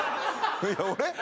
いや俺？